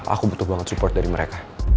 aku butuh banget support dari mereka